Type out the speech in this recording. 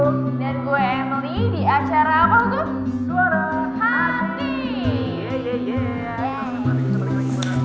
sama sama kita balik lagi bareng